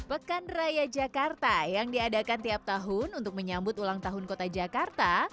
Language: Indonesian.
pekan raya jakarta yang diadakan tiap tahun untuk menyambut ulang tahun kota jakarta